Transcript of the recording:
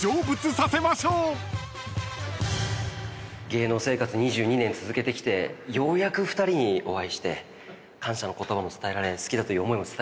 芸能生活２２年続けてきてようやく２人にお会いして感謝の言葉も伝えられ好きだという思いも伝えられ